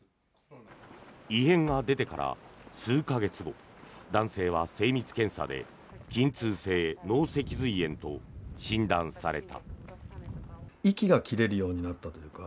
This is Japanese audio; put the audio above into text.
異変が出てから数か月後男性は精密検査で筋痛性脳脊髄炎と診断された。